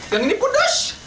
yang ini pudes